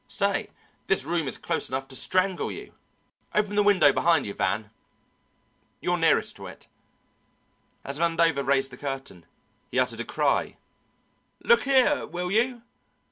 "Say, this room is close enough to strangle you. Open the window behind you, Van, you're nearest to it." As Vandover raised the curtain he uttered a cry: "Look here! will you?"